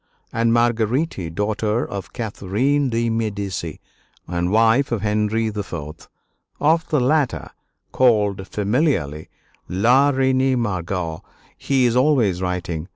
and Marguerite, daughter of Catherine de' Medici and wife of Henry IV. Of the latter, called familiarly "La Reine Margot," he is always writing.